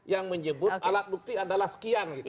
yang menyebut alat bukti adalah sekian